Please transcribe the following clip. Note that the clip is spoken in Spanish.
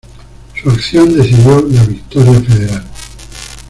Su acción decidió la victoria federal.